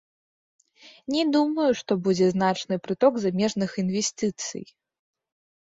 Не думаю, што будзе значны прыток замежных інвестыцый.